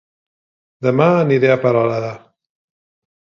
Dema aniré a Peralada